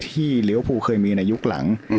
ที่เลี้ยวภูเคยมีในยุคหลัง